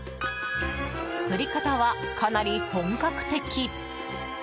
作り方は、かなり本格的。